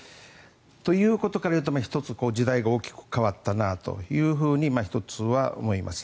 ということからいうと１つ、時代が大きく変わったなと１つは思います。